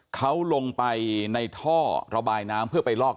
เขาลงไปในท่อระบายน้ำเพื่อไปลอก